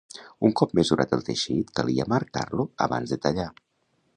Un cop mesurat el teixit calia marcar-lo abans de tallar.